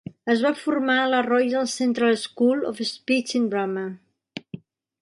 Es va formar a la Royal Central School of Speech and Drama.